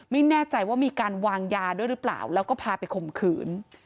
ไม่แน่ใจว่ามีการวางยาด้วยหรือเปล่าแล้วก็พาไปข่มขืน